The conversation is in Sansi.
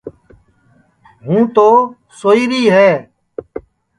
ہوں تو سوئی ری ہے